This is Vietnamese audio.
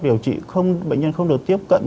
điều trị bệnh nhân không được tiếp cận